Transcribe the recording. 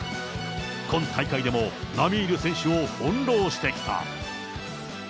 今大会でも並みいる選手を翻弄してきた。